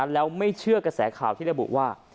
แล้วไม่เชื่อกระแสข่าวที่ระบุว่า